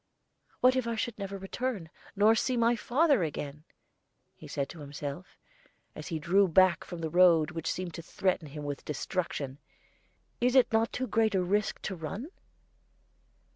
"What if I should never return, nor see my father again?" said he to himself, as he drew back from the road which seemed to threaten him with destruction. "Is it not too great a risk to run?"